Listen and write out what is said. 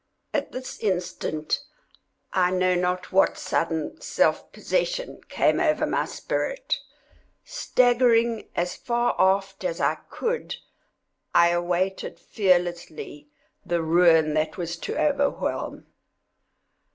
At this instant, I know not what sudden self possession came over my spirit. Staggering as far aft as I could, I awaited fearlessly the ruin that was to overwhelm.